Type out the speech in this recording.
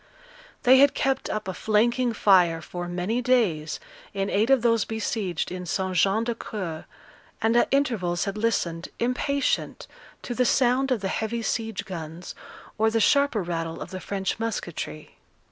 They had kept up a flanking fire for many days in aid of those besieged in St Jean d'Acre; and at intervals had listened, impatient, to the sound of the heavy siege guns, or the sharper rattle of the French musketry.